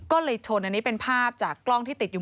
ก็เลยชนอันนี้เป็นภาพจากกล้องที่ติดอยู่